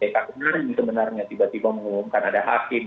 karena itu sebenarnya tiba tiba mengumumkan ada hakim